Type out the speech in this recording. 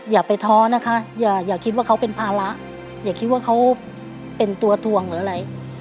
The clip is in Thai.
อย่าไปท้อนะคะอย่าคิดว่าเขาเป็นภาระอย่าคิดว่าเขาเป็นตัวทวงหรืออะไร